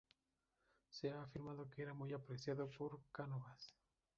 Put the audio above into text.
Se ha afirmado que era muy apreciado por Cánovas.